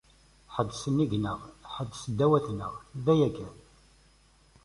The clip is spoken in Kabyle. Ḥedd sennig- neɣ, ḥedd seddaw-atneɣ, d aya kan.